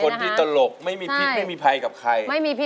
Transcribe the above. เป็นคนที่ตลกไม่มีพิษไม่มีภัยกับใคร